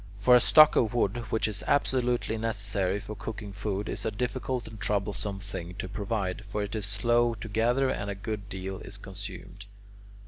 But a stock of wood, which is absolutely necessary for cooking food, is a difficult and troublesome thing to provide; for it is slow to gather and a good deal is consumed.